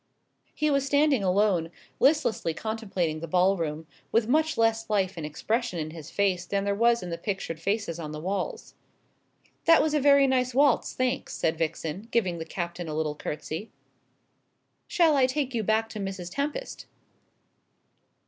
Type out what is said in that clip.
He was standing alone, listlessly contemplating the ball room, with much less life and expression in his face than there was in the pictured faces on the walls. "That was a very nice waltz thanks," said Vixen, giving the captain a little curtsey. "Shall I take you back to Mrs. Tempest?"